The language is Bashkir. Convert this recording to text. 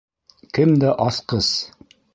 Кемдә асҡыс?